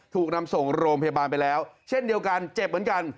ถูกนำส่งโรงพยาบาลไปแล้วเช่นเดียวกันเจ็บเหมือนกัน